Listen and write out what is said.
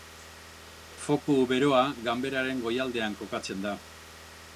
Foku beroa ganberaren goialdean kokatzen da.